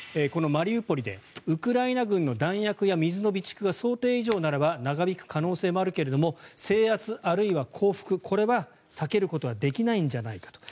このマリウポリでウクライナ軍の弾薬や水の備蓄が想定以上ならば長引く可能性もあるけれども制圧あるいは降伏これは避けることはできないんじゃないか。